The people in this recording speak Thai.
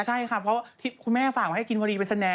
ใช่ค่ะเพราะว่าคุณแม่ฝากไว้ให้กินพอดีเป็นสแนน